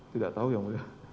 tidak tahu yang mulia